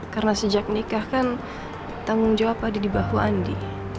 karena sejak nikah kan tanggung jawab adi di bahu andi